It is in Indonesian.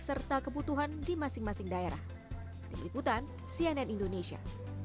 serta kebutuhan di masing masing daerah diperliputan cnn indonesia